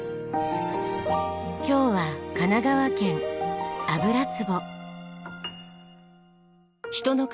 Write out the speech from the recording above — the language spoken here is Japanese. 今日は神奈川県油壺。